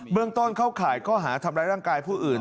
เรื่องต้นเข้าข่ายข้อหาทำร้ายร่างกายผู้อื่น